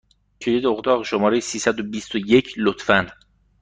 کلید اتاق شماره ششصد و بیست و یک، لطفا!